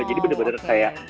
jadi bener bener kayak